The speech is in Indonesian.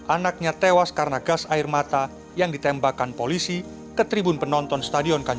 anaknya tewas karena gas air mata yang ditembakan polisi clip rain cas itu adalah prinsip ke ajuda politik di kota kampung